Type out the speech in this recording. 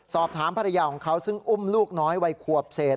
สอบถามภรรยาของเขาซึ่งอุ้มลูกน้อยวัยขวบเศษ